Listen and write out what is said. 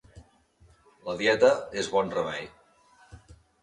La dieta és bon remei.